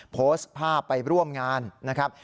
โพสต์ภาพไปร่วมงานนะครับ